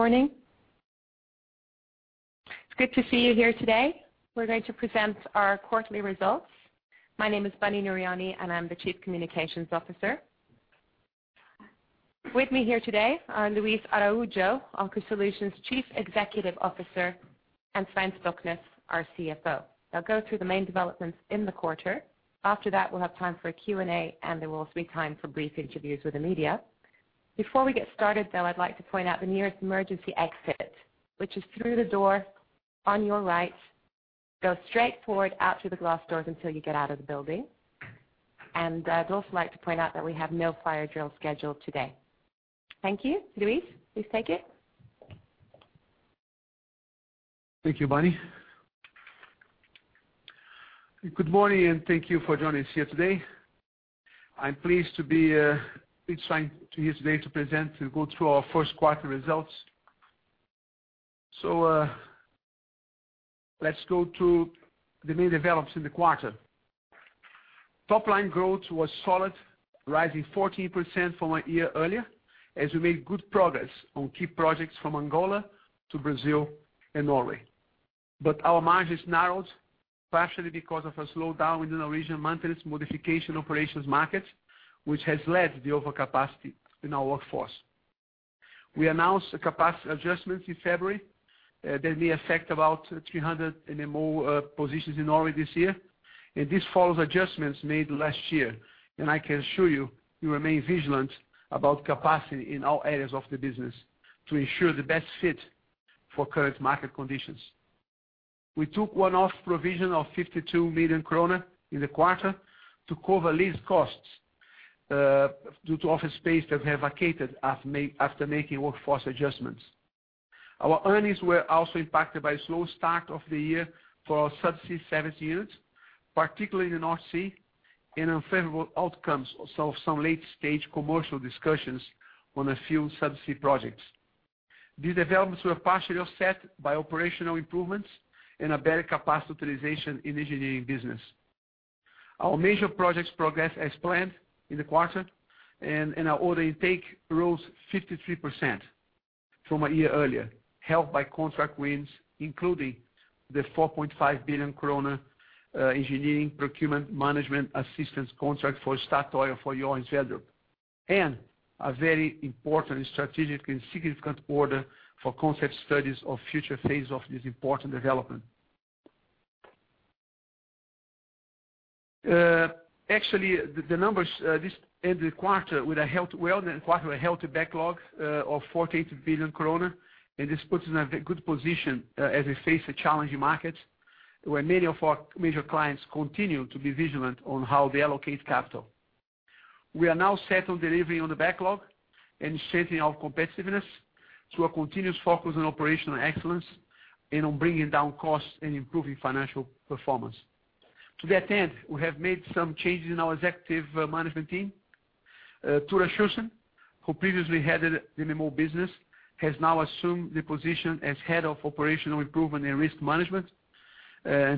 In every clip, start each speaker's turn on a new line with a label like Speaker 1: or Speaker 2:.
Speaker 1: Morning. It's good to see you here today. We're going to present our quarterly results. My name is Bunny Nooryani, and I'm the Chief Communications Officer. With me here today are Luis Araujo, Aker Solutions Chief Executive Officer, and Svein Stoknes, our CFO. They'll go through the main developments in the quarter. After that, we'll have time for a Q&A, and there will also be time for brief interviews with the media. Before we get started, though, I'd like to point out the nearest emergency exit, which is through the door on your right, go straight forward out through the glass doors until you get out of the building. I'd also like to point out that we have no fire drill scheduled today. Thank you. Luis, please take it.
Speaker 2: Thank you, Bunny. Good morning, thank you for joining us here today. I'm pleased to be here today to present, to go through our Q1 results. Let's go to the main developments in the quarter. Top line growth was solid, rising 14% from a year earlier as we made good progress on key projects from Angola to Brazil and Norway. Our margins narrowed, partially because of a slowdown in the Norwegian maintenance modification operations market, which has led the overcapacity in our workforce. We announced the capacity adjustments in February that may affect about 300 MMO positions in Norway this year, and this follows adjustments made last year. I can assure you, we remain vigilant about capacity in all areas of the business to ensure the best fit for current market conditions. We took one-off provision of 52 million kroner in the quarter to cover lease costs, due to office space that we have vacated after making workforce adjustments. Our earnings were also impacted by a slow start of the year for our subsea service units, particularly in the North Sea, and unfavorable outcomes of some late-stage commercial discussions on a few subsea projects. These developments were partially offset by operational improvements and a better capacity utilization in engineering business. Our major projects progressed as planned in the quarter, and our order intake rose 53% from a year earlier, helped by contract wins, including the 4.5 billion krone engineering procurement management assistance contract for Statoil for Johan Sverdrup, and a very important strategic and significant order for concept studies of future phase of this important development. Actually, the numbers, well, the quarter with a healthy backlog of 48 billion. This puts us in a very good position as we face a challenging market, where many of our major clients continue to be vigilant on how they allocate capital. We are now set on delivering on the backlog and strengthening our competitiveness through a continuous focus on operational excellence and on bringing down costs and improving financial performance. To that end, we have made some changes in our executive management team. Tore Sjursen, who previously headed the MMO business, has now assumed the position as Head of Operational Improvement and Risk Management.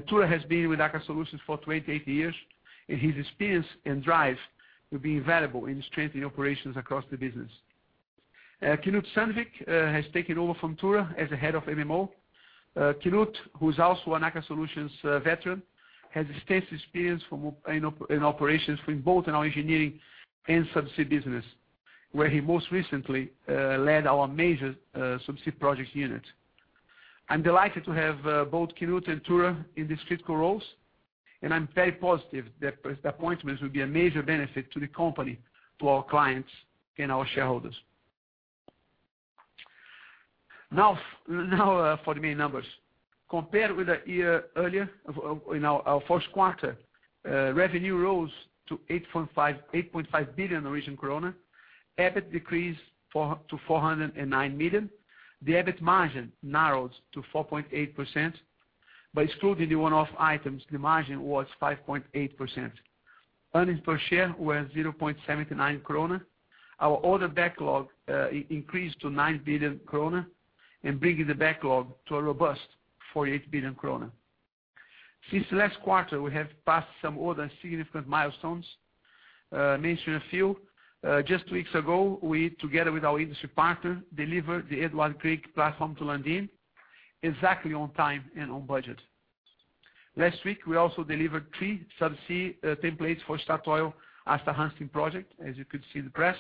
Speaker 2: Tore has been with Aker Solutions for 28 years, and his experience and drive will be invaluable in strengthening operations across the business. Knut Sandvik has taken over from Tore as the Head of MMO. Knut, who's also an Aker Solutions veteran, has extensive experience in operations in both our engineering and subsea business, where he most recently led our major subsea project unit. I'm delighted to have both Knut and Tore in these critical roles, and I'm very positive the appointments will be a major benefit to the company, to our clients, and our shareholders. Now for the main numbers. Compared with a year earlier of, you know, our Q1, revenue rose to 8.5 billion Norwegian krone. EBIT decreased to 409 million. The EBIT margin narrowed to 4.8%. By excluding the one-off items, the margin was 5.8%. Earnings per share were 0.79 kroner. Our order backlog increased to 9 billion kroner and bringing the backlog to a robust 48 billion kroner. Since last quarter, we have passed some order and significant milestones, mentioned a few. Just 2 weeks ago, we, together with our industry partner, delivered the Edvard Grieg platform to Lundin exactly on time and on budget. Last week, we also delivered 3 subsea templates for Statoil Aasta Hansteen project, as you could see in the press.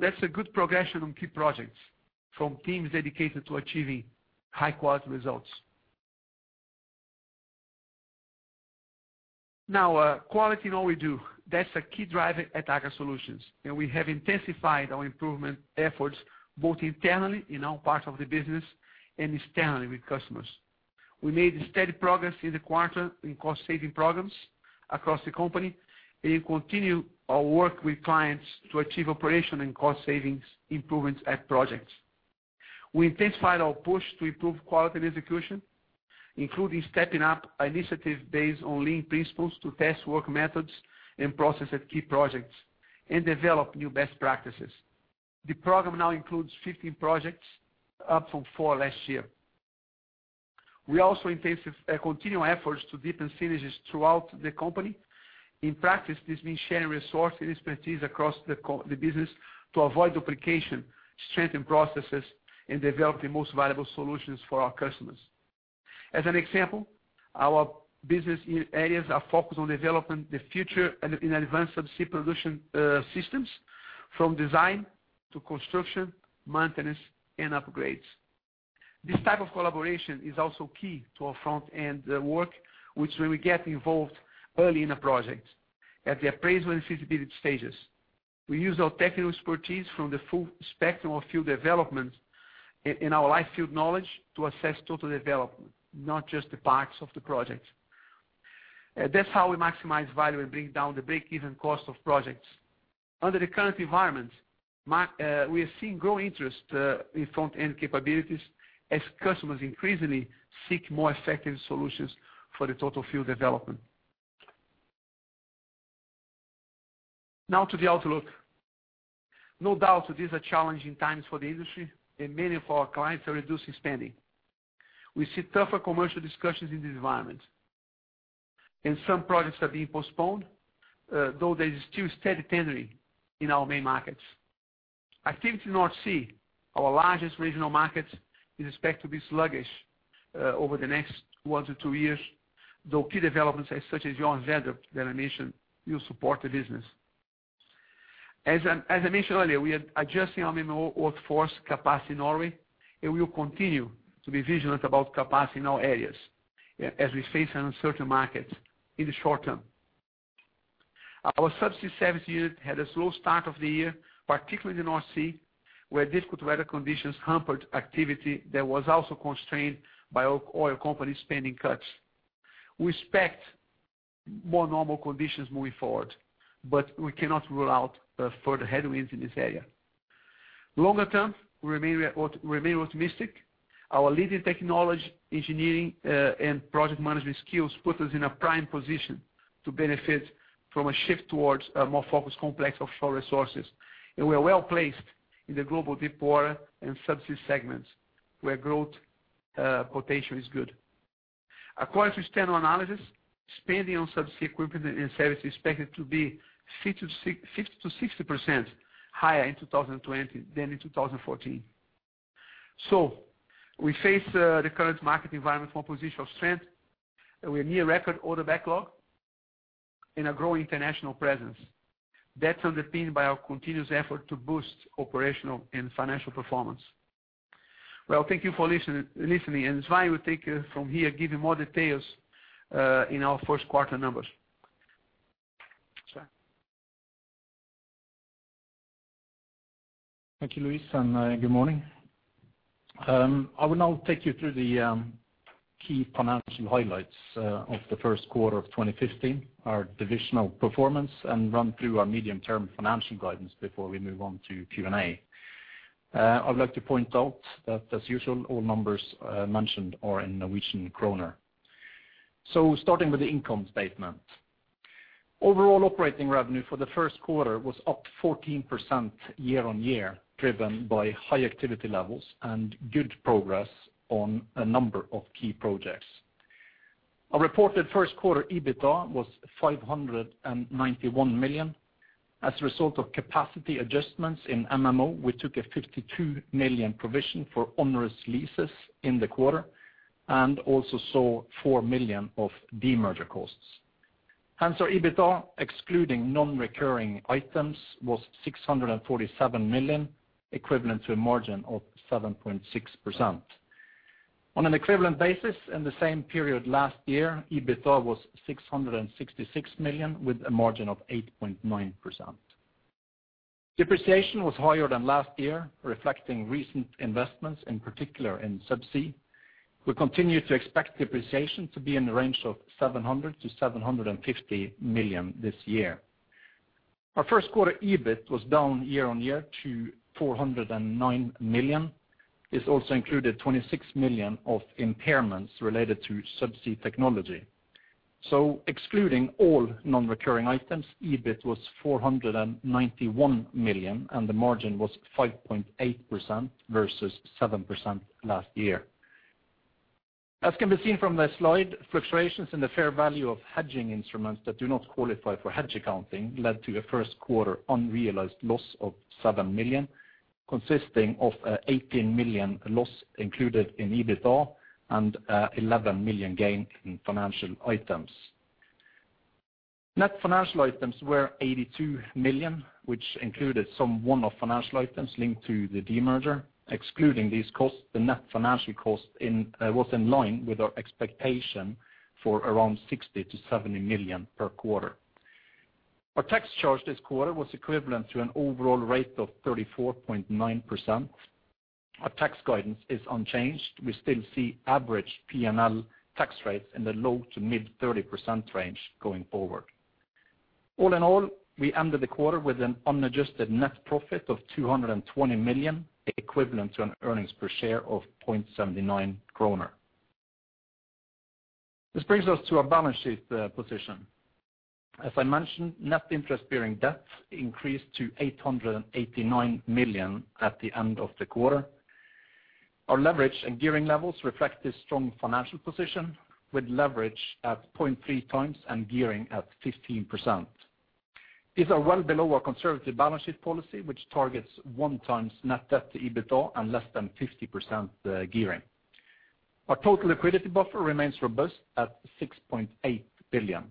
Speaker 2: That's a good progression on key projects from teams dedicated to achieving high-quality results. Quality in all we do. That's a key driver at Aker Solutions, and we have intensified our improvement efforts, both internally in all parts of the business and externally with customers. We made steady progress in the quarter in cost-saving programs across the company and continue our work with clients to achieve operational and cost savings improvements at projects. We intensified our push to improve quality and execution, including stepping up initiative based on lean principles to test work methods and process at key projects and develop new best practices. The program now includes 15 projects, up from four last year. We also continue efforts to deepen synergies throughout the company. In practice, this means sharing resources and expertise across the business to avoid duplication, strengthen processes, and develop the most valuable solutions for our customers. As an example, our business areas are focused on developing the future in advanced subsea production systems, from design to construction, maintenance and upgrades. This type of collaboration is also key to our front-end work, which when we get involved early in a project, at the appraisal and feasibility stages, we use our technical expertise from the full spectrum of field development in our life field knowledge to assess total development, not just the parts of the project. That's how we maximize value and bring down the breakeven cost of projects. Under the current environment, we are seeing growing interest in front-end capabilities as customers increasingly seek more effective solutions for the total field development. Now to the outlook. No doubt these are challenging times for the industry, and many of our clients are reducing spending. We see tougher commercial discussions in this environment, and some projects are being postponed, though there is still steady tendering in our main markets. Activity in North Sea, our largest regional market, is expected to be sluggish over the next 1-2 years, though key developments such as Johan Sverdrup that I mentioned will support the business. As I mentioned earlier, we are adjusting our MMO workforce capacity in Norway, and we will continue to be vigilant about capacity in our areas as we face an uncertain market in the short term. Our subsea service unit had a slow start of the year, particularly in North Sea, where difficult weather conditions hampered activity that was also constrained by oil company spending cuts. We expect more normal conditions moving forward, but we cannot rule out further headwinds in this area. Longer term, we remain optimistic. Our leading technology, engineering and project management skills put us in a prime position to benefit from a shift towards a more focused complex offshore resources. We are well-placed in the global deepwater and subsea segments, where growth potential is good. According to standard analysis, spending on subsea equipment and services is expected to be 50%–60% higher in 2020 than in 2014. We face the current market environment from a position of strength with near record order backlog and a growing international presence. That's underpinned by our continuous effort to boost operational and financial performance. Well, thank you for listening, and Svein will take it from here, give you more details in our Q1 numbers. Svein?
Speaker 3: Thank you, Luis. Good morning. I will now take you through the key financial highlights of the Q1 of 2015, our divisional performance, and run through our medium-term financial guidance before we move on to Q&A. I would like to point out that as usual, all numbers mentioned are in Norwegian kroner. Starting with the income statement. Overall operating revenue for the Q1 was up 14% year-over-year, driven by high activity levels and good progress on a number of key projects. Our reported Q1 EBITDA was 591 million. As a result of capacity adjustments in MMO, we took a 52 million provision for onerous leases in the quarter and also saw 4 million of demerger costs. Hence our EBITDA, excluding non-recurring items, was 647 million, equivalent to a margin of 7.6%. On an equivalent basis in the same period last year, EBITDA was 666 million with a margin of 8.9%. Depreciation was higher than last year, reflecting recent investments, in particular in subsea. We continue to expect depreciation to be in the range of 700 million–750 million this year. Our Q1 EBIT was down year-over-year to 409 million. This also included 26 million of impairments related to subsea technology. Excluding all non-recurring items, EBIT was 491 million, and the margin was 5.8% versus 7% last year. As can be seen from the slide, fluctuations in the fair value of hedging instruments that do not qualify for hedge accounting led to a Q1 unrealized loss of 7 million, consisting of, 18 million loss included in EBITDA and, 11 million gain in financial items. Net financial items were 82 million, which included some one-off financial items linked to the demerger. Excluding these costs, the net financial cost was in line with our expectation for around 60 million–70 million per quarter. Our tax charge this quarter was equivalent to an overall rate of 34.9%. Our tax guidance is unchanged. We still see average P&L tax rates in the low to mid-30% range going forward. All in all, we ended the quarter with an unadjusted net profit of 220 million, equivalent to an earnings per share of 0.79 kroner. This brings us to our balance sheet position. As I mentioned, net interest-bearing debt increased to 889 million at the end of the quarter. Our leverage and gearing levels reflect this strong financial position with leverage at 0.3x and gearing at 15%. These are well below our conservative balance sheet policy, which targets 1x net debt to EBITDA and less than 50% gearing. Our total liquidity buffer remains robust at 6.8 billion.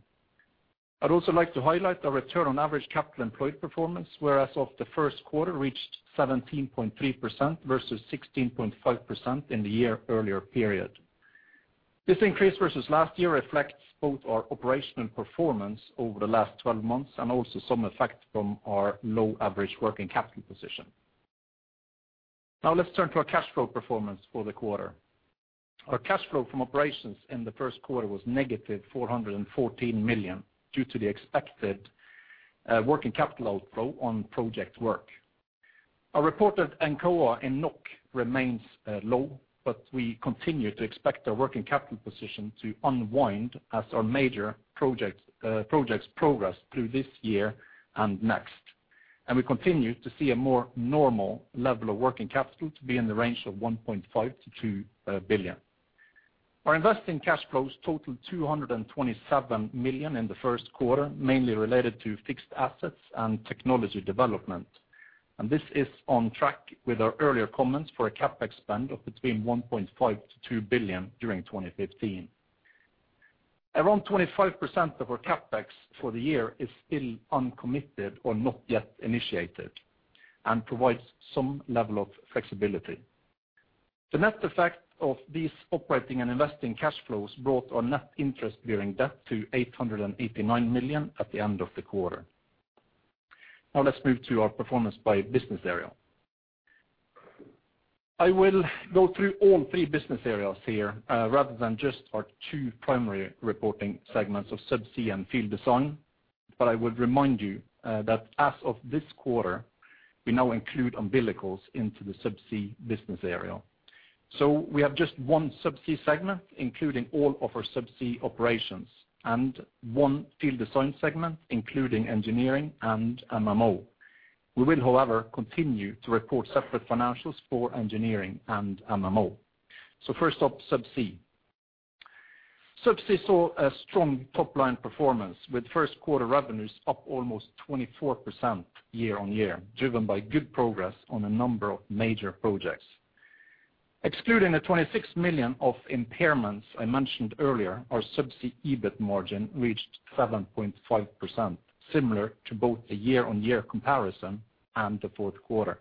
Speaker 3: I'd also like to highlight our return on average capital employed performance, where as of the Q1 reached 17.3% versus 16.5% in the year earlier period. This increase versus last year reflects both our operational performance over the last 12 months and also some effect from our low average working capital position. Let's turn to our cash flow performance for the quarter. Our cash flow from operations in the Q1 was negative 414 million due to the expected working capital outflow on project work. Our reported NCOA in NOK remains low, but we continue to expect our working capital position to unwind as our major project projects progress through this year and next. We continue to see a more normal level of working capital to be in the range of 1.5 billion–2 billion. Our investing cash flows totaled 227 million in the Q1, mainly related to fixed assets and technology development. This is on track with our earlier comments for a CapEx spend of between 1.5 billion–2 billion during 2015. Around 25% of our CapEx for the year is still uncommitted or not yet initiated and provides some level of flexibility. The net effect of these operating and investing cash flows brought our net interest-bearing debt to 889 million at the end of the quarter. Let's move to our performance by business area. I will go through all three business areas here, rather than just our two primary reporting segments of subsea and field design, but I would remind you, that as of this quarter, we now include umbilicals into the subsea business area. We have just one subsea segment, including all of our subsea operations, and one field design segment, including engineering and MMO. We will, however, continue to report separate financials for engineering and MMO. First up, subsea. Subsea saw a strong top-line performance with Q1 revenues up almost 24% year-on-year, driven by good progress on a number of major projects. Excluding the 26 million of impairments I mentioned earlier, our subsea EBIT margin reached 7.5%, similar to both the year-on-year comparison and the Q4.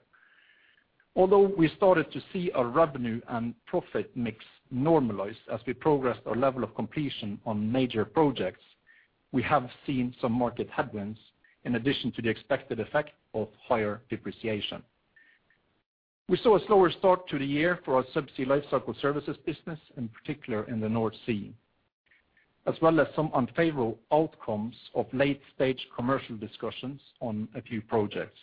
Speaker 3: Although we started to see our revenue and profit mix normalize as we progressed our level of completion on major projects, we have seen some market headwinds in addition to the expected effect of higher depreciation. We saw a slower start to the year for our Subsea Lifecycle Services business, in particular in the North Sea, as well as some unfavorable outcomes of late-stage commercial discussions on a few projects.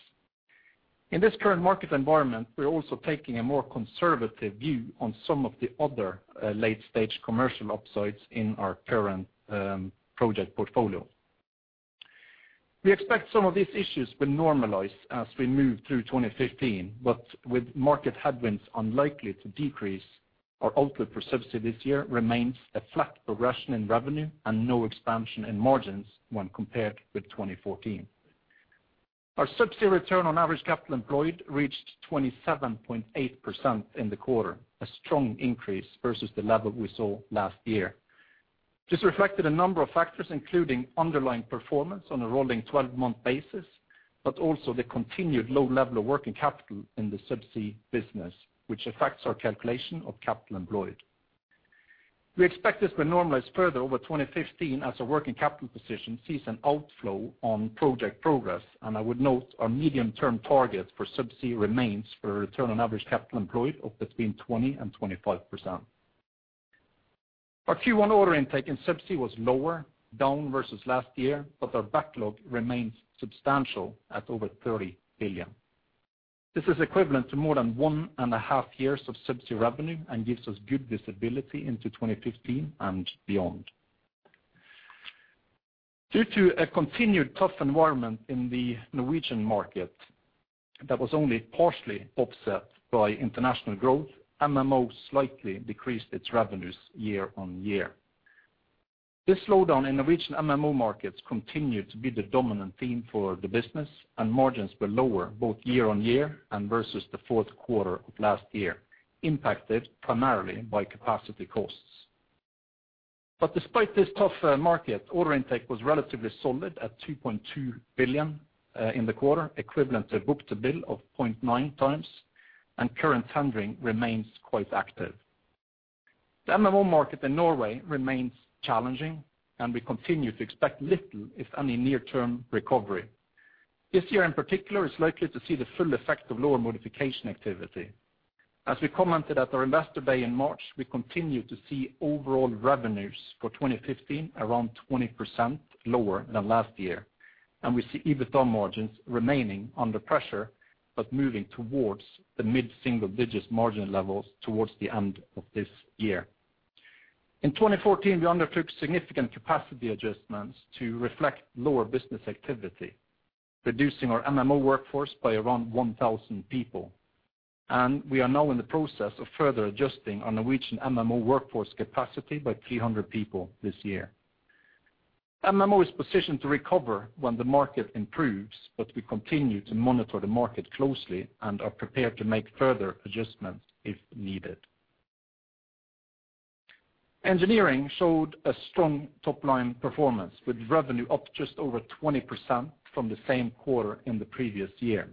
Speaker 3: In this current market environment, we're also taking a more conservative view on some of the other, late-stage commercial upsides in our current, project portfolio. We expect some of these issues will normalize as we move through 2015. With market headwinds unlikely to decrease, our outlook for subsea this year remains a flat progression in revenue and no expansion in margins when compared with 2014. Our subsea return on average capital employed reached 27.8% in the quarter, a strong increase versus the level we saw last year. This reflected a number of factors, including underlying performance on a rolling 12-month basis, but also the continued low level of working capital in the subsea business, which affects our calculation of capital employed. We expect this will normalize further over 2015 as our working capital position sees an outflow on project progress. I would note our medium-term target for subsea remains for a return on average capital employed of between 20% and 25%. Our Q1 order intake in subsea was lower, down versus last year, our backlog remains substantial at over 30 billion. This is equivalent to more than one and a half years of subsea revenue and gives us good visibility into 2015 and beyond. Due to a continued tough environment in the Norwegian market that was only partially offset by international growth, MMO slightly decreased its revenues year-on-year. This slowdown in the region MMO markets continued to be the dominant theme for the business, and margins were lower both year-over-year and versus the Q4 of last year, impacted primarily by capacity costs. Despite this tough market, order intake was relatively solid at 2.2 billion in the quarter, equivalent to book-to-bill of 0.9 times, and current tendering remains quite active. The MMO market in Norway remains challenging, and we continue to expect little, if any, near-term recovery. This year in particular is likely to see the full effect of lower modification activity. As we commented at our Investor Day in March, we continue to see overall revenues for 2015 around 20% lower than last year. We see EBITDA margins remaining under pressure, but moving towards the mid-single digits margin levels towards the end of this year. In 2014, we undertook significant capacity adjustments to reflect lower business activity, reducing our MMO workforce by around 1,000 people. We are now in the process of further adjusting our Norwegian MMO workforce capacity by 300 people this year. MMO is positioned to recover when the market improves, but we continue to monitor the market closely and are prepared to make further adjustments if needed. Engineering showed a strong top line performance, with revenue up just over 20% from the same quarter in the previous year.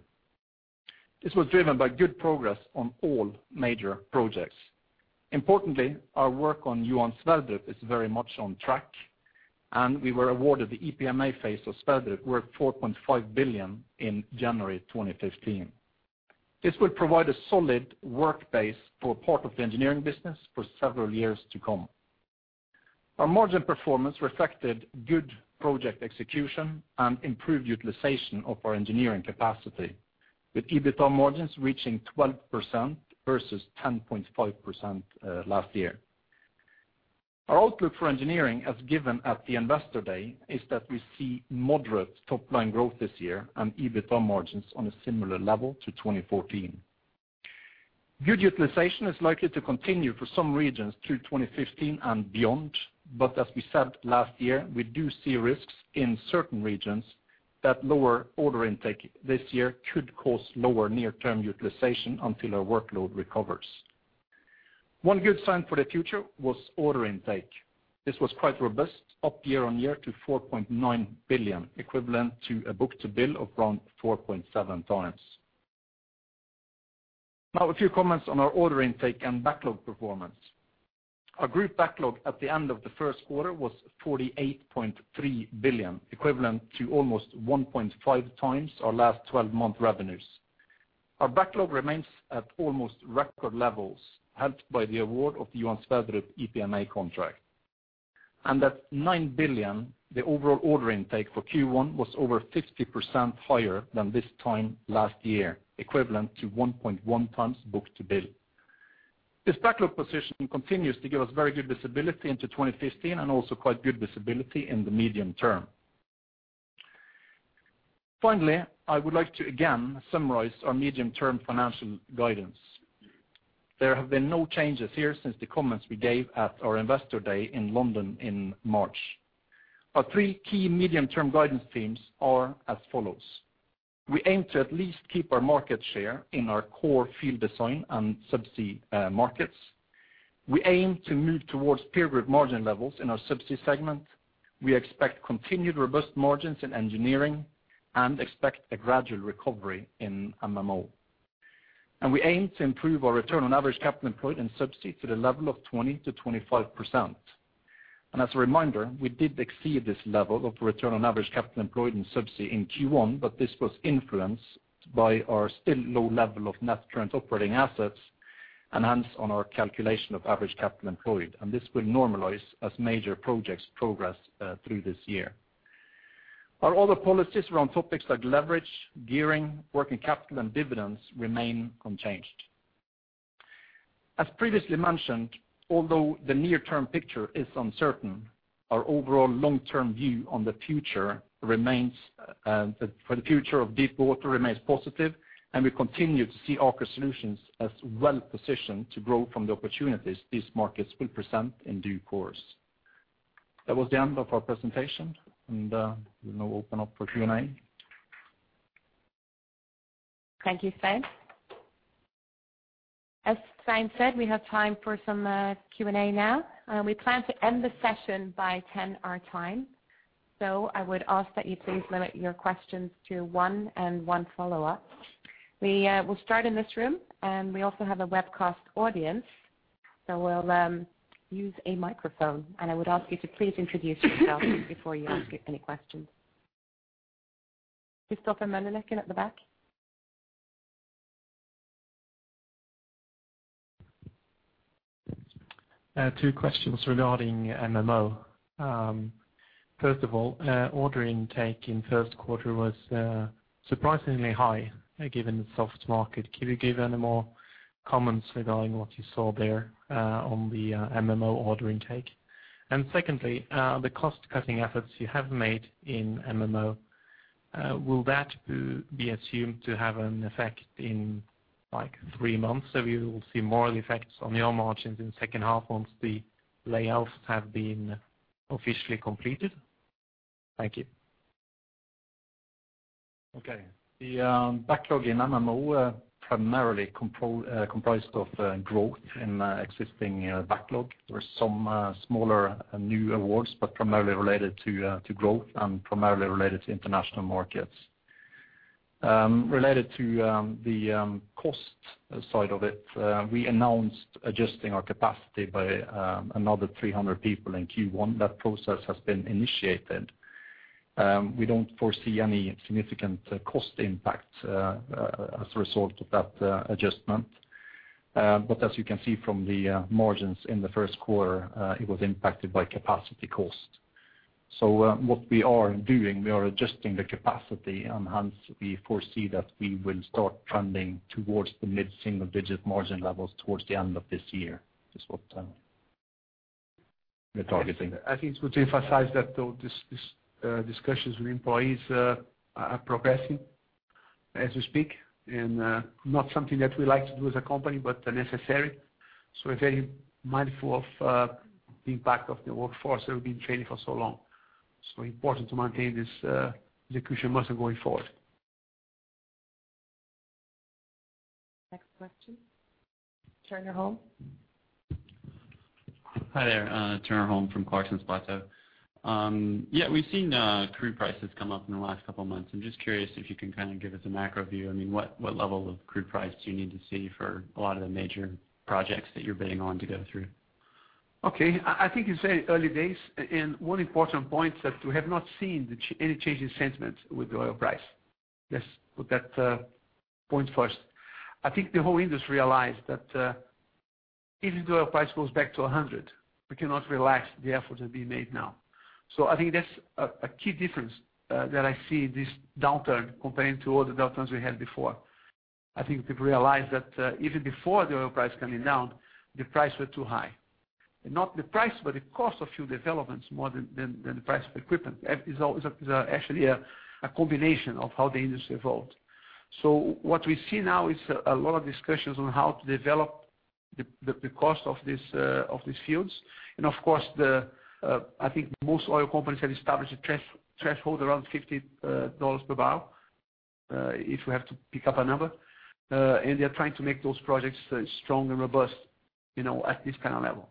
Speaker 3: This was driven by good progress on all major projects. Importantly, our work on Johan Sverdrup is very much on track. We were awarded the EPMA phase of Sverdrup worth 4.5 billion in January 2015. This will provide a solid work base for part of the engineering business for several years to come. Our margin performance reflected good project execution and improved utilization of our engineering capacity, with EBITDA margins reaching 12% versus 10.5% last year. Our outlook for engineering, as given at the Investor Day, is that we see moderate top-line growth this year and EBITDA margins on a similar level to 2014. Good utilization is likely to continue for some regions through 2015 and beyond. As we said last year, we do see risks in certain regions that lower order intake this year could cause lower near-term utilization until our workload recovers. One good sign for the future was order intake. This was quite robust, up year-over-year to 4.9 billion, equivalent to a book-to-bill of around 4.7 times. A few comments on our order intake and backlog performance. Our group backlog at the end of the Q1 was 48.3 billion, equivalent to almost 1.5 times our last twelve-month revenues. Our backlog remains at almost record levels, helped by the award of the Johan Sverdrup EPMA contract. At 9 billion, the overall order intake for Q1 was over 50% higher than this time last year, equivalent to 1.1 times book-to-bill. This backlog position continues to give us very good visibility into 2015 and also quite good visibility in the medium term. Finally, I would like to again summarize our medium-term financial guidance. There have been no changes here since the comments we gave at our Investor Day in London in March. Our three key medium-term guidance themes are as follows. We aim to at least keep our market share in our core field design and Subsea markets. We aim to move towards peer group margin levels in our Subsea segment. We expect continued robust margins in engineering and expect a gradual recovery in MMO. We aim to improve our return on average capital employed in Subsea to the level of 20%–25%. As a reminder, we did exceed this level of return on average capital employed in Subsea in Q1, but this was influenced by our still low level of net current operating assets, and hence on our calculation of average capital employed, and this will normalize as major projects progress through this year. Our other policies around topics like leverage, gearing, working capital, and dividends remain unchanged. As previously mentioned, although the near-term picture is uncertain, our overall long-term view on the future remains for the future of deepwater remains positive, and we continue to see Aker Solutions as well-positioned to grow from the opportunities these markets will present in due course. That was the end of our presentation, and we'll now open up for Q&A.
Speaker 1: Thank you, Stein. As Stein said, we have time for some Q&A now. We plan to end the session by 10 our time. I would ask that you please limit your questions to 1 and 1 follow-up. We will start in this room, and we also have a webcast audience, so we'll use a microphone. I would ask you to please introduce yourself before you ask any questions. Kristoffer Lilleeide at the back.
Speaker 4: regarding MMO. First of all, order intake in Q1 was surprisingly high given the soft market. Can you give any more comments regarding what you saw there on the MMO order intake? Secondly, the cost-cutting efforts you have made in MMO, will that be assumed to have an effect in like 3 months? So we will see more effects on your margins in second half once the layoffs have been officially completed. Thank you
Speaker 3: Okay. The backlog in MMO primarily comprised of growth in existing backlog. There were some smaller new awards, primarily related to growth and primarily related to international markets. Related to the cost side of it, we announced adjusting our capacity by another 300 people in Q1. That process has been initiated. We don't foresee any significant cost impact as a result of that adjustment. As you can see from the margins in the Q1, it was impacted by capacity cost. What we are doing, we are adjusting the capacity, and hence we foresee that we will start trending towards the mid-single digit margin levels towards the end of this year. That's what we're targeting.
Speaker 2: I think it's good to emphasize that though this discussions with employees are progressing as we speak. Not something that we like to do as a company, but necessary. We're very mindful of the impact of the workforce that we've been training for so long. Important to maintain this execution muscle going forward.
Speaker 5: Next question. Turner Holm.
Speaker 6: Hi there, Turner Holm from Clarksons Platou. We've seen crude prices come up in the last couple of months. I'm just curious if you can kind of give us a macro view. I mean, what level of crude price do you need to see for a lot of the major projects that you're bidding on to go through?
Speaker 2: Okay. I think it's very early days. One important point that we have not seen any change in sentiment with the oil price. Let's put that point first. I think the whole industry realized that even if the oil price goes back to a hundred, we cannot relax the efforts being made now. I think that's a key difference that I see this downturn comparing to all the downturns we had before. I think people realize that even before the oil price coming down, the price was too high. Not the price, but the cost of few developments more than the price of equipment. is actually a combination of how the industry evolved. What we see now is a lot of discussions on how to develop the cost of these fields. Of course, the I think most oil companies have established a threshold around $50 per barrel, if you have to pick up a number. They are trying to make those projects strong and robust, you know, at this kind of level.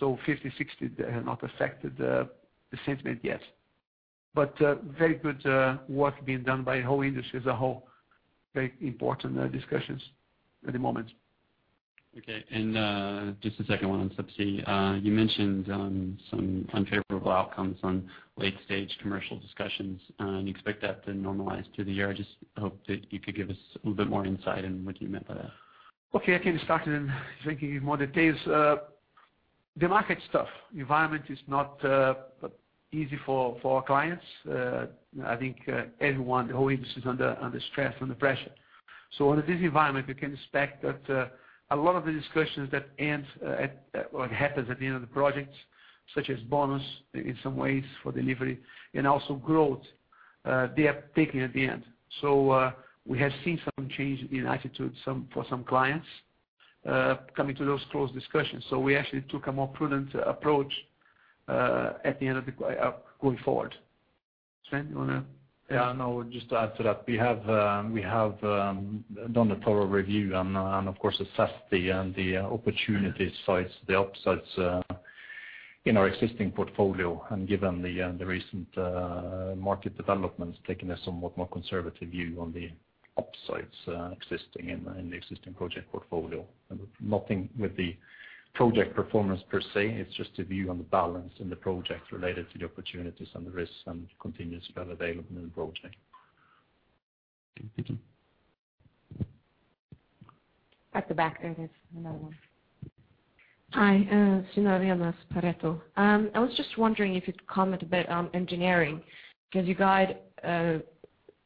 Speaker 2: $50-$60, they have not affected the sentiment yet. Very good work being done by whole industry as a whole. Very important discussions at the moment.
Speaker 6: Okay. Just a second one on Subsea. You mentioned some unfavorable outcomes on late-stage commercial discussions, and you expect that to normalize through the year. I just hope that you could give us a little bit more insight in what you meant by that?
Speaker 2: Okay. I can start and then Svein can give more details. The market is tough. Environment is not easy for our clients. I think everyone, the whole industry is under stress, under pressure. Under this environment, you can expect that a lot of the discussions that end at, or happens at the end of the projects, such as bonus in some ways for delivery and also growth, they are taking at the end. We have seen some change in attitude for some clients coming to those close discussions. We actually took a more prudent approach at the end of the going forward. Svein, you wanna?
Speaker 3: Yeah, no, just to add to that, we have done a thorough review and of course, assessed the opportunities, so it is the upsides in our existing portfolio. Given the recent market developments, taking a somewhat more conservative view on the upsides existing in the existing project portfolio. Nothing with the project performance per se, it is just a view on the balance in the project related to the opportunities and the risks and continuous available in the project.
Speaker 6: Thank you.
Speaker 5: At the back there's another one.
Speaker 7: Hi, Sondre Stormyr, Pareto. I was just wondering if you could comment a bit on engineering, 'cause you guide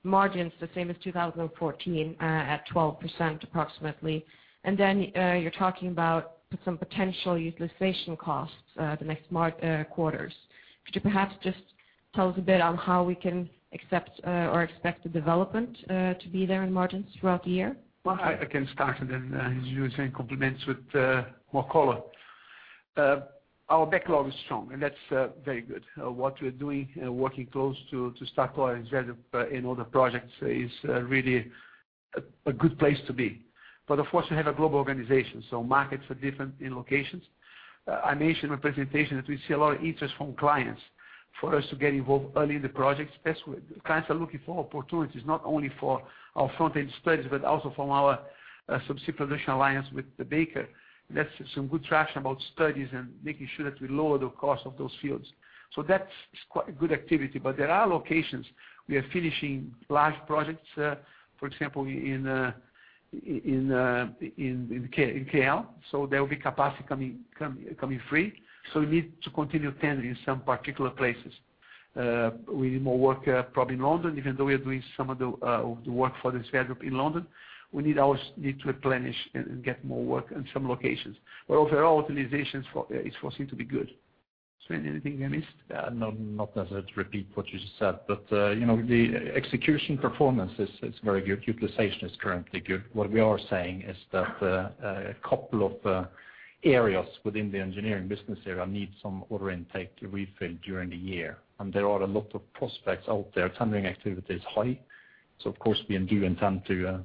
Speaker 7: margins the same as 2014, at 12% approximately. You're talking about some potential utilization costs the next quarters. Could you perhaps just tell us a bit on how we can accept or expect the development to be there in margins throughout the year?
Speaker 2: Well, I can start and then, as usual Svein complements with more color. Our backlog is strong, and that's very good. What we're doing, working close to Statoil and Shell in all the projects is really a good place to be. Of course, we have a global organization, so markets are different in locations. I mentioned in my presentation that we see a lot of interest from clients for us to get involved early in the projects. Best way, clients are looking for opportunities, not only for our front-end studies, but also from our Subsea Production Alliance with Baker. That's some good traction about studies and making sure that we lower the cost of those fields. That's quite good activity. There are locations we are finishing large projects, for example, in KL. There will be capacity coming free. We need to continue tendering in some particular places. We need more work, probably in London. Even though we are doing some of the work for this group in London, we need to replenish and get more work in some locations. Overall, utilizations for is foreseen to be good. Svein, anything I missed?
Speaker 3: Yeah. No, not as I repeat what you just said, but, you know, the execution performance is very good. Utilization is currently good. What we are saying is that, a couple of, areas within the engineering business area need some order intake to refill during the year. There are a lot of prospects out there. Tendering activity is high. Of course we do intend to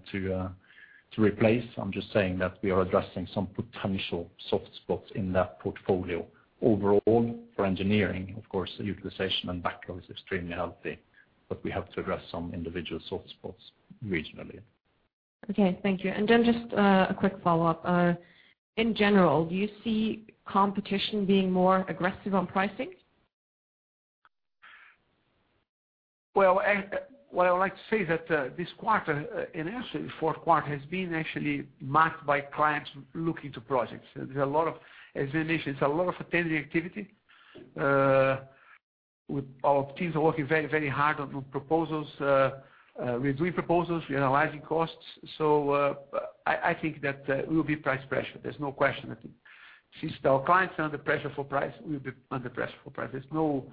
Speaker 3: replace. I'm just saying that we are addressing some potential soft spots in that portfolio. Overall, for engineering, of course, utilization and backlog is extremely healthy. We have to address some individual soft spots regionally.
Speaker 7: Okay. Thank you. Just a quick follow-up. In general, do you see competition being more aggressive on pricing?
Speaker 2: What I would like to say that this quarter, actually the Q4 has been actually marked by clients looking to projects. There's a lot of, as I mentioned, it's a lot of attending activity. with our teams are working very, very hard on proposals. We're doing proposals, we're analyzing costs. I think that we'll be price pressure. There's no question, I think. Since our clients are under pressure for price, we'll be under pressure for price. There's no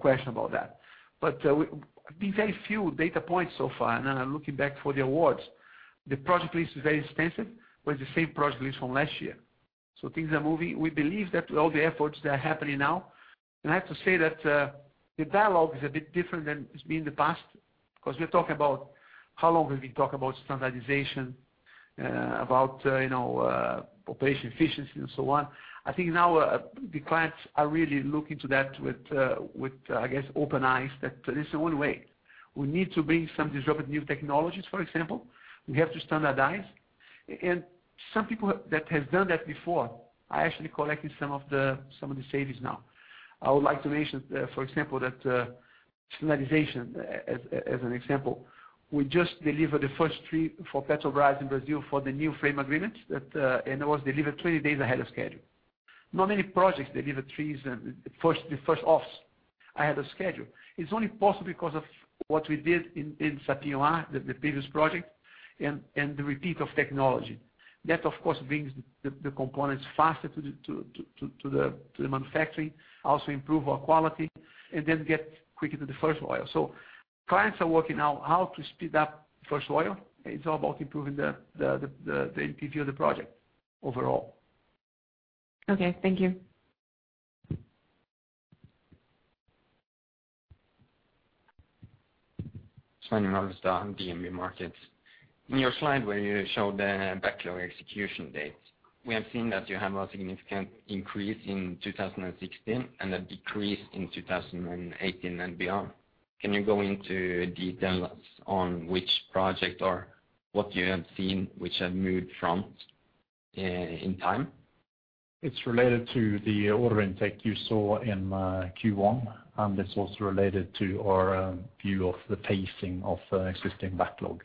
Speaker 2: question about that. the very few data points so far, and I'm looking back for the awards, the project list is very expensive, with the same project list from last year. Things are moving. We believe that all the efforts that are happening now, and I have to say that, uh, the dialogue is a bit different than it's been in the past, 'cause we're talking about how long have we been talking about standardization, uh, about, you know, uh, operation efficiency and so on. I think now, uh, the clients are really looking to that with, uh, with, uh, I guess, open eyes that this is one way. We need to bring some disruptive new technologies, for example. We have to standardize. A-and some people that have done that before are actually collecting some of the, some of the savings now. I would like to mention, for example, that, uh, standardization as, as an example, we just delivered the first tree for Petrobras in Brazil for the new frame agreement that, uh, and it was delivered twenty days ahead of schedule. Not many projects deliver trees and first, the first offs ahead of schedule. It's only possible because of what we did in Sapinhoá, the previous project and the repeat of technology. Of course, brings the components faster to the manufacturing, also improve our quality, get quicker to the first oil. Clients are working out how to speed up first oil. It's all about improving the MVP of the project overall.
Speaker 7: Okay, thank you.
Speaker 8: In your slide where you show the backlog execution dates, we have seen that you have a significant increase in 2016, and a decrease in 2018 and beyond. Can you go into details on which project or what you have seen which have moved from in time?
Speaker 9: It's related to the order intake you saw in Q1, and it's also related to our view of the pacing of existing backlog.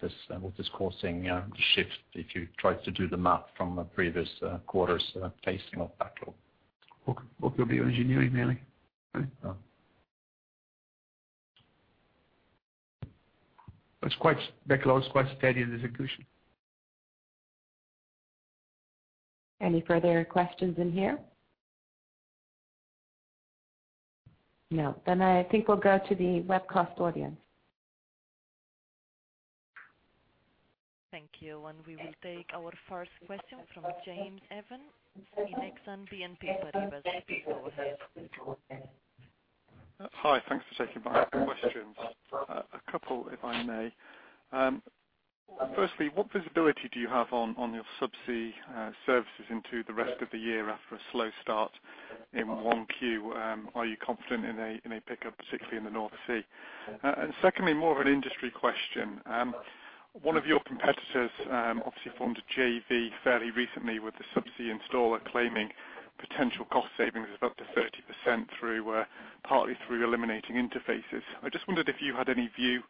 Speaker 9: This, what is causing the shift if you try to do the math from the previous quarters pacing of backlog.
Speaker 2: What will be engineering mainly? Right? It's quite backlog is quite steady in execution.
Speaker 5: Any further questions in here? No. I think we'll go to the webcast audience. Thank you. We will take our first question from James Evans, Exane BNP Paribas. Please go ahead.
Speaker 10: Hi, thanks for taking my questions. A couple, if I may. Firstly, what visibility do you have on your subsea services into the rest of the year after a slow start in one Q? Are you confident in a pickup, particularly in the North Sea? Secondly, more of an industry question. One of your competitors obviously formed a JV fairly recently with a subsea installer claiming potential cost savings of up to 30% through partly through eliminating interfaces. I just wondered if you had any view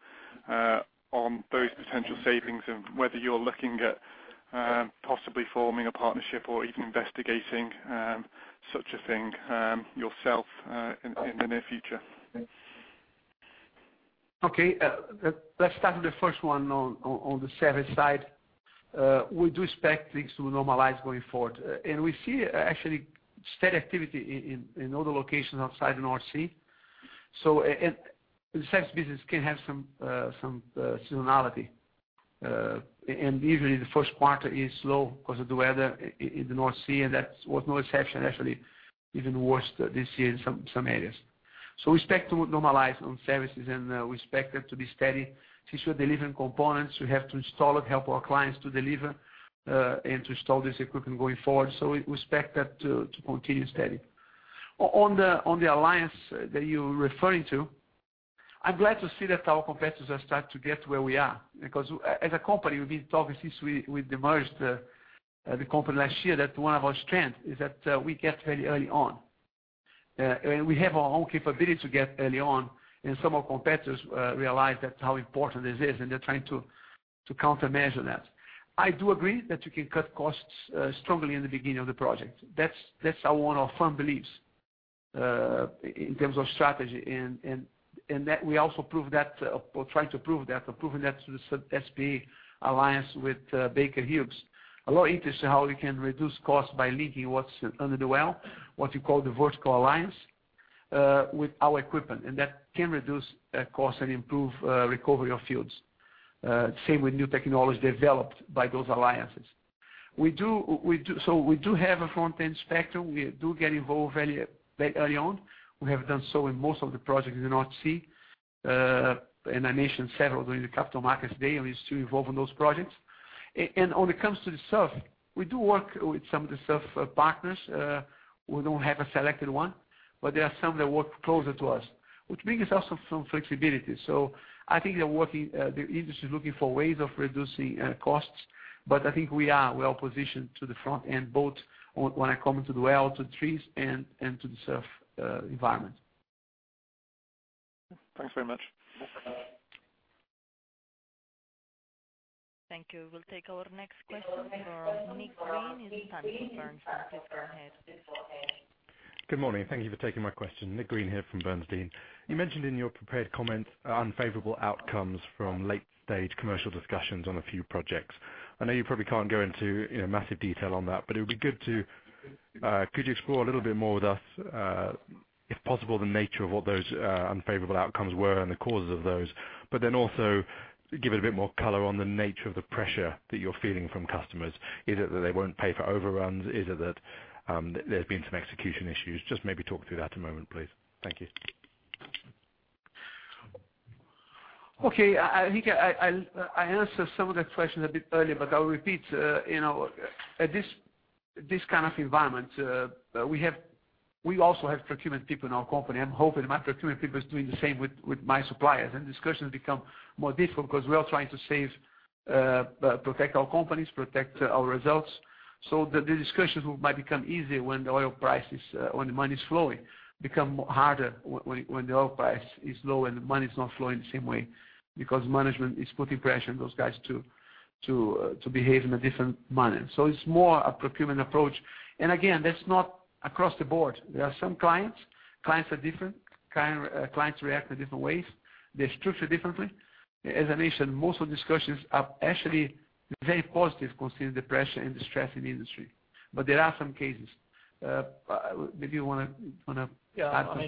Speaker 10: on those potential savings and whether you're looking at possibly forming a partnership or even investigating such a thing yourself in the near future.
Speaker 2: Okay. Let's start with the first one on the service side. We do expect things to normalize going forward. We see actually steady activity in other locations outside the North Sea. The service business can have some seasonality. Usually the Q1 is slow because of the weather in the North Sea, and that was no exception, actually, even worse this year in some areas. We expect to normalize on services, and we expect it to be steady. Since we're delivering components, we have to install it, help our clients to deliver and to install this equipment going forward. We expect that to continue steady. On the Subsea Production Alliance that you're referring to, I'm glad to see that our competitors are starting to get where we are. As a company, we've been talking since we've emerged the company last year, that one of our strengths is that we get very early on. We have our own capability to get early on, and some of our competitors realize that how important this is, and they're trying to countermeasure that. I do agree that you can cut costs strongly in the beginning of the project. That's one of our firm beliefs in terms of strategy. That we also prove that, or try to prove that, or proving that through the SP alliance with Baker Hughes. A lot of interest how we can reduce costs by linking what's under the well, what you call the vertical alliance, with our equipment, and that can reduce costs and improve recovery of fields. Same with new technology developed by those alliances. We do have a front-end spectrum. We do get involved very, very early on. We have done so in most of the projects in the North Sea. I mentioned several during the Capital Markets Day, and we're still involved in those projects. When it comes to the SURF, we do work with some of the SURF partners. We don't have a selected one, but there are some that work closer to us, which brings us also some flexibility. I think they're working, the industry is looking for ways of reducing costs. I think we are well positioned to the front end, both when it come into the well, to trees and to the SURF environment.
Speaker 10: Thanks very much.
Speaker 2: Okay.
Speaker 5: Thank you. We'll take our next question from Nick Green with Bernstein. Please go ahead.
Speaker 11: Good morning. Thank you for taking my question. Nick Green here from Bernstein. You mentioned in your prepared comments, unfavorable outcomes from late-stage commercial discussions on a few projects. I know you probably can't go into, you know, massive detail on that, but it would be good to. Could you explore a little bit more with us, if possible, the nature of what those unfavorable outcomes were and the causes of those, but then also give it a bit more color on the nature of the pressure that you're feeling from customers. Is it that they won't pay for overruns? Is it that, there's been some execution issues? Just maybe talk through that a moment, please. Thank you.
Speaker 2: Okay. I think I answered some of the questions a bit earlier, but I'll repeat. You know, at this kind of environment, we also have procurement people in our company. I'm hoping my procurement people is doing the same with my suppliers. Discussions become more difficult because we are trying to save, protect our companies, protect our results. The discussions might become easier when the oil price is when the money is flowing, become harder when the oil price is low and the money is not flowing the same way because management is putting pressure on those guys to behave in a different manner. It's more a procurement approach. Again, that's not across the board. There are some clients. Clients are different. Client, clients react in different ways. They're structured differently. As I mentioned, most of the discussions are actually very positive considering the pressure and the stress in the industry. There are some cases, maybe you wanna add.
Speaker 3: Yeah. I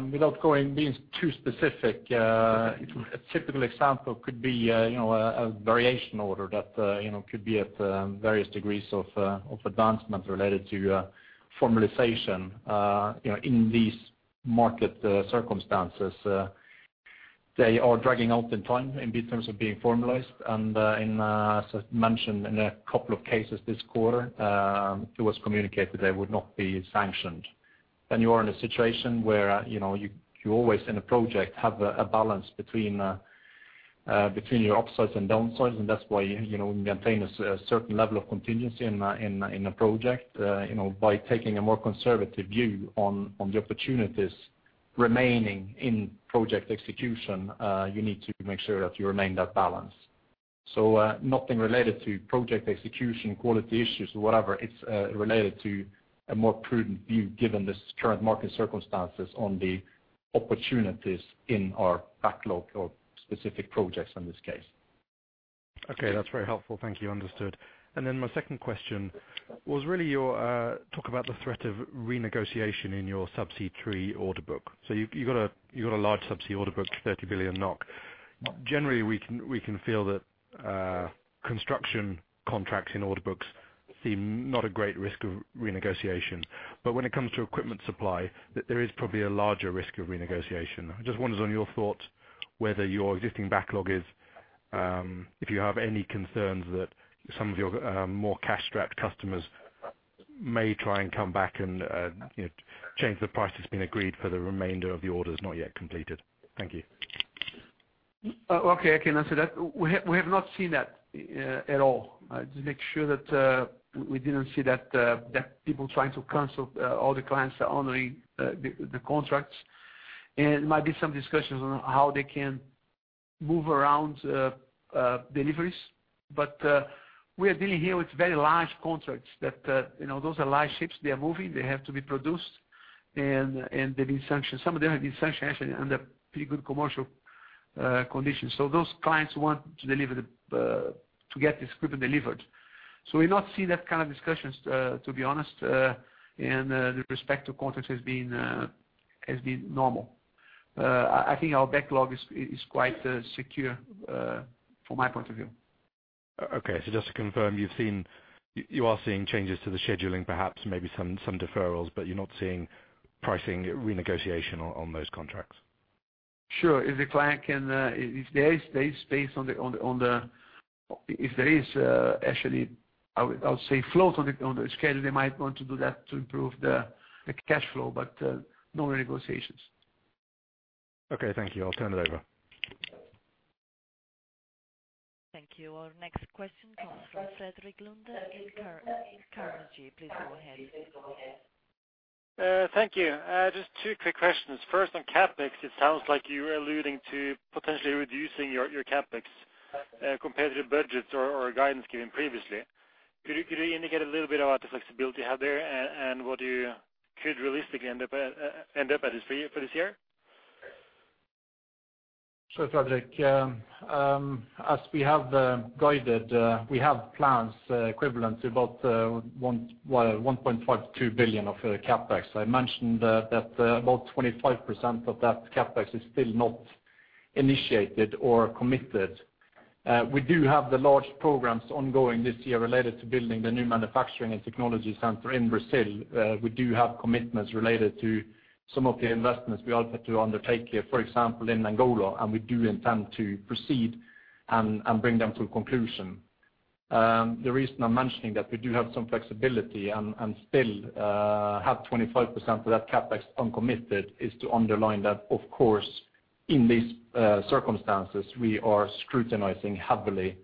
Speaker 3: mean, without being too specific, a typical example could be, you know, a variation order that, you know, could be at various degrees of advancement related to formalization, you know, in these market circumstances. They are dragging out in time in terms of being formalized. As mentioned in a couple of cases this quarter, it was communicated they would not be sanctioned. You are in a situation where, you know, you always in a project have a balance between your upsides and downsides, and that's why, you know, we maintain a certain level of contingency in a project. You know, by taking a more conservative view on the opportunities remaining in project execution, you need to make sure that you remain that balance. Nothing related to project execution, quality issues or whatever. It's related to a more prudent view given this current market circumstances on the opportunities in our backlog or specific projects in this case.
Speaker 11: Okay. That's very helpful. Thank you. Understood. My second question was really your talk about the threat of renegotiation in your Subsea Tree order book. You got a large Subsea order book, 30 billion NOK. Generally, we can, we can feel that construction contracts in order books seem not a great risk of renegotiation. When it comes to equipment supply, that there is probably a larger risk of renegotiation. I just wondered on your thoughts whether your existing backlog is, if you have any concerns that some of your more cash-strapped customers may try and come back and, you know, change the price that's been agreed for the remainder of the orders not yet completed. Thank you.
Speaker 2: Okay. I can answer that. We have not seen that at all. Just make sure that we didn't see that that people trying to cancel, all the clients are honoring the contracts. Might be some discussions on how they can move around deliveries. We are dealing here with very large contracts that, you know, those are large ships. They are moving. They have to be produced. And they've been sanctioned. Some of them have been sanctioned actually under pretty good commercial conditions. Those clients want to deliver to get this equipment delivered. We've not seen that kind of discussions, to be honest. The respective contracts has been normal. I think our backlog is quite secure from my point of view.
Speaker 11: Okay. Just to confirm, you are seeing changes to the scheduling, perhaps maybe some deferrals, but you're not seeing pricing renegotiation on those contracts?
Speaker 2: Sure. If the client can, if there is space, if there is actually, I would say float on the schedule, they might want to do that to improve the cash flow, but no renegotiations.
Speaker 11: Okay. Thank you. I'll turn it over.
Speaker 5: Thank you. Our next question comes from Frederik Lunde in Carnegie. Please go ahead.
Speaker 12: Thank you. Just 2 quick questions. First, on CapEx, it sounds like you're alluding to potentially reducing your CapEx, compared to the budgets or guidance given previously. Could you indicate a little bit about the flexibility you have there and what you could realistically end up at this for this year?
Speaker 2: Sure, Frederik. As we have guided, we have plans equivalent to about 1.52 billion of CapEx. I mentioned that about 25% of that CapEx is still not initiated or committed. We do have the large programs ongoing this year related to building the new manufacturing and technology center in Brazil. We do have commitments related to some of the investments we offered to undertake here, for example, in Angola, and we do intend to proceed and bring them to conclusion. The reason I'm mentioning that we do have some flexibility and still have 25% of that CapEx uncommitted is to underline that, of course, in these circumstances, we are scrutinizing heavily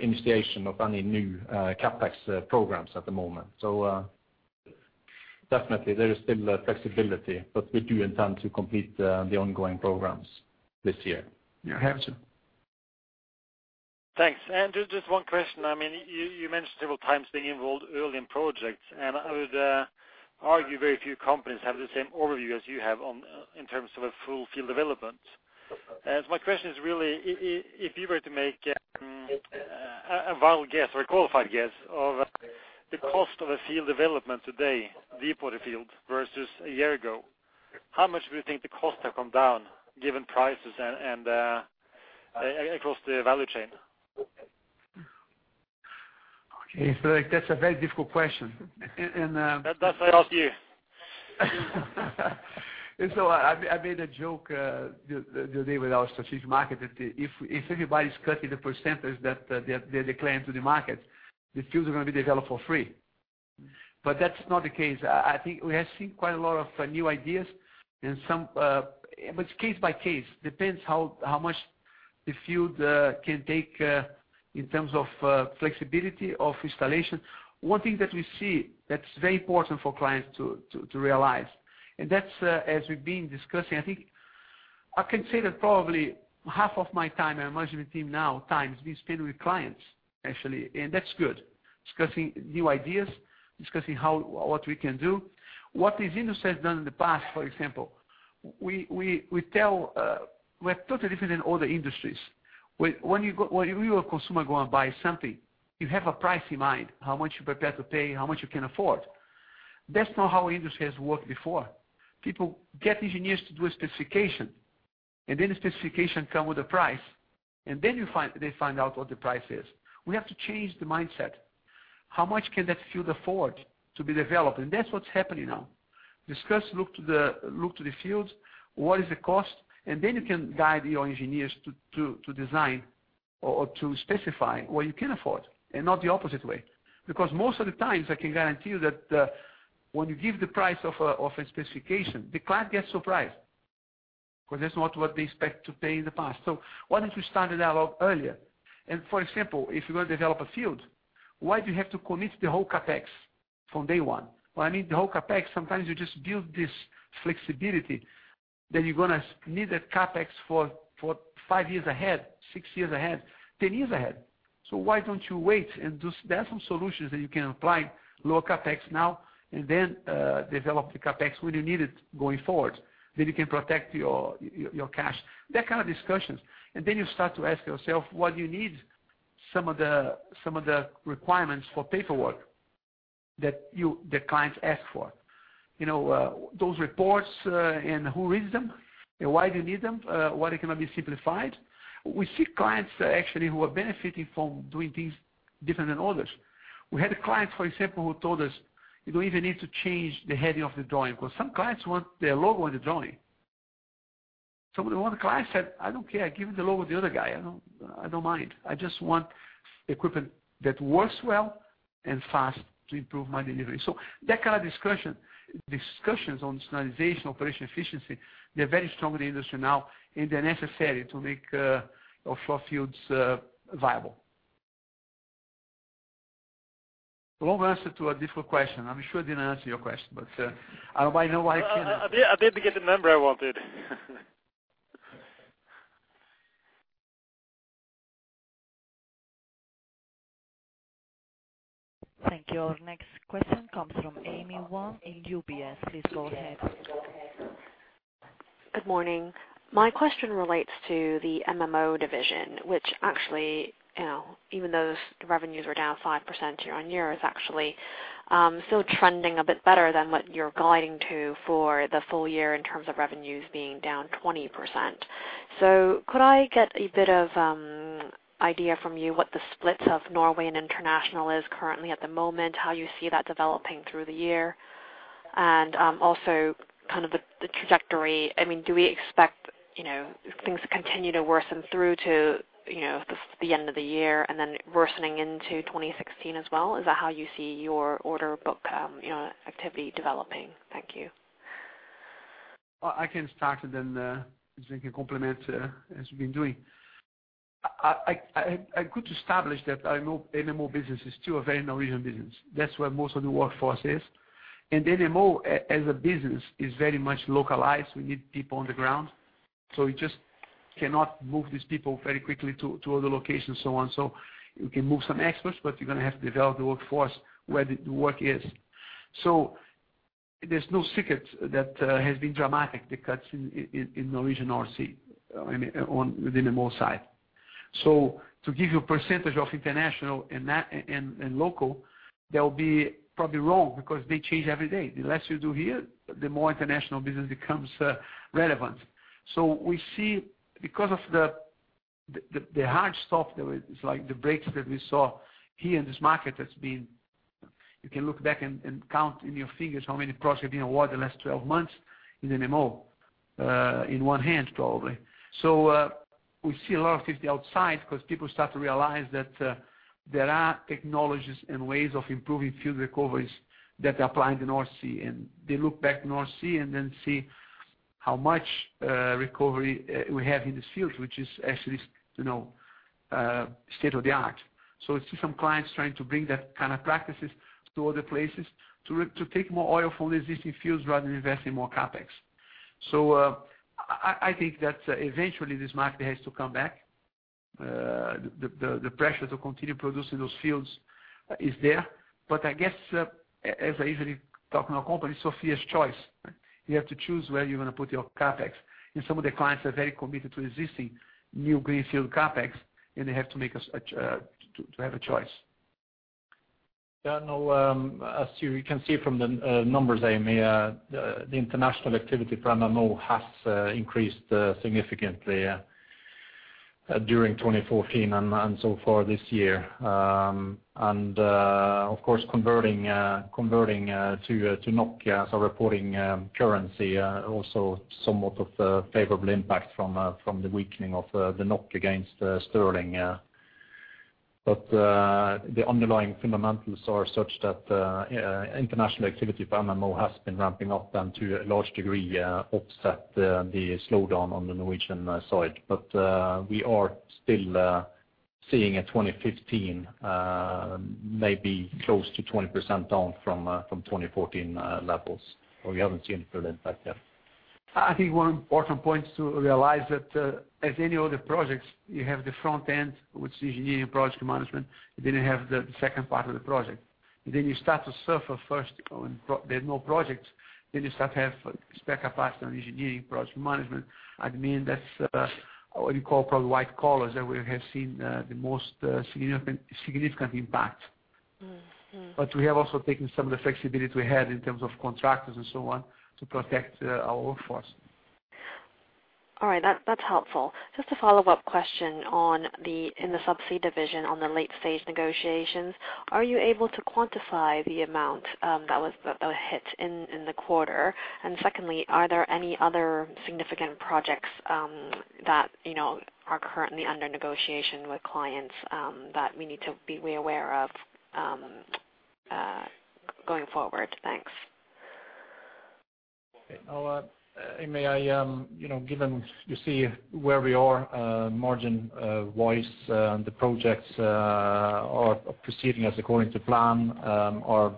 Speaker 2: initiation of any new CapEx programs at the moment.
Speaker 9: Definitely there is still flexibility, but we do intend to complete the ongoing programs this year.
Speaker 2: You have to.
Speaker 12: Thanks. Just one question. I mean, you mentioned several times being involved early in projects, and I would argue very few companies have the same overview as you have on in terms of a full field development. My question is really if you were to make a wild guess or a qualified guess of the cost of a field development today, deepwater field versus a year ago, how much do you think the costs have come down given prices and across the value chain?
Speaker 2: Okay. That's a very difficult question. And,
Speaker 12: That's why I asked you.
Speaker 2: I made a joke the other day with our strategic market that if everybody's cutting the percentage that they're declaring to the market, the fields are going to be developed for free. That's not the case. I think we have seen quite a lot of new ideas and some, but it's case by case. Depends how much the field can take in terms of flexibility of installation. One thing that we see that's very important for clients to realize, and that's, as we've been discussing, I think I can say that probably half of my time and management team now time is being spent with clients, actually, and that's good. Discussing new ideas, discussing what we can do. What this industry has done in the past, for example, we tell we are totally different than other industries. When you, a consumer, go and buy something, you have a price in mind, how much you prepare to pay, how much you can afford. That's not how industry has worked before. People get engineers to do a specification, then the specification come with a price, and then they find out what the price is. We have to change the mindset. How much can that field afford to be developed? That's what's happening now. Discuss, look to the fields, what is the cost? Then you can guide your engineers to design or to specify what you can afford and not the opposite way. Most of the times I can guarantee you that, when you give the price of a specification, the client gets surprised because that's not what they expect to pay in the past. Why don't you start the dialogue earlier? For example, if you're going to develop a field, why do you have to commit the whole CapEx from day one? Why need the whole CapEx? Sometimes you just build this flexibility that you're gonna need that CapEx for five years ahead, six years ahead, 10 years ahead. Why don't you wait. There are some solutions that you can apply, lower CapEx now and then, develop the CapEx when you need it going forward. You can protect your cash. That kind of discussions. You start to ask yourself, what you need some of the requirements for paperwork that the clients ask for. You know, those reports, and who reads them and why do you need them, why they cannot be simplified. We see clients actually who are benefiting from doing things different than others. We had a client, for example, who told us, "You don't even need to change the heading of the drawing," because some clients want their logo on the drawing. One client said, "I don't care. Give the logo to the other guy. I don't mind. I just want equipment that works well and fast to improve my delivery." That kind of discussion, discussions on standardization, operational efficiency, they're very strong in the industry now, and they're necessary to make offshore fields viable. Long answer to a difficult question. I'm sure I didn't answer your question, but, I don't know why I can.
Speaker 12: I did get the number I wanted.
Speaker 5: Thank you. Our next question comes from Amy Wong in UBS. Please go ahead.
Speaker 13: Good morning. My question relates to the MMO division, which actually, you know, even though the revenues are down 5% year-on-year, is actually still trending a bit better than what you're guiding to for the full year in terms of revenues being down 20%. Could I get a bit of idea from you what the splits of Norway and international is currently at the moment, how you see that developing through the year? Also kind of the trajectory. I mean, do we expect, you know, things to continue to worsen through to, you know, the end of the year and then worsening into 2016 as well? Is that how you see your order book, you know, activity developing? Thank you.
Speaker 2: I can start and then Jose can complement as we've been doing. I could establish that I know MMO business is still a very Norwegian business. That's where most of the workforce is. MMO as a business is very much localized. We need people on the ground, so we just cannot move these people very quickly to other locations and so on. You can move some experts, but you're going to have to develop the workforce where the work is. There's no secret that has been dramatic, the cuts in Norwegian North Sea, I mean, on the MMO side. To give you a percentage of international and local, that will be probably wrong because they change every day. The less you do here, the more international business becomes relevant. We see because of the hard stop, there was like the brakes that we saw here in this market that's been. You can look back and count in your fingers how many projects have been awarded the last 12 months in MMO in one hand, probably. We see a lot of activity outside because people start to realize that there are technologies and ways of improving field recoveries that apply in the North Sea, and they look back North Sea and then see how much recovery we have in these fields, which is actually, you know, state-of-the-art. We see some clients trying to bring that kind of practices to other places to take more oil from existing fields rather than invest in more CapEx. I think that eventually this market has to come back. The pressure to continue producing those fields is there. I guess, as I usually talk in our company, Sophie's Choice, you have to choose where you're going to put your CapEx. Some of the clients are very committed to existing new Greenfield CapEx, and they have to have a choice.
Speaker 3: As you can see from the numbers, Amy, the international activity for MMO has increased significantly during 2014 and so far this year. Of course, converting to NOK, so reporting currency, also somewhat of a favorable impact from the weakening of the NOK against sterling. The underlying fundamentals are such that international activity for MMO has been ramping up and to a large degree offset the slowdown on the Norwegian side. We are still seeing a 2015, maybe close to 20% down from 2014 levels, or we haven't seen a full impact yet.
Speaker 2: I think one important point to realize that, as any other projects, you have the front end, which is engineering and project management, then you have the second part of the project. You start to suffer first when there's no projects, then you start to have spare capacity on engineering project management. I mean, that's what you call probably white collars that we have seen the most significant impact.
Speaker 13: Mm-hmm.
Speaker 2: We have also taken some of the flexibility we had in terms of contractors and so on, to protect our workforce.
Speaker 13: All right, that's helpful. Just a follow-up question in the subsea division on the late-stage negotiations, are you able to quantify the amount that was hit in the quarter? Secondly, are there any other significant projects that, you know, are currently under negotiation with clients that we need to be aware of going forward? Thanks.
Speaker 3: Okay. Now, Amy, I, you know, given you see where we are, margin voice, the projects are proceeding as according to plan, or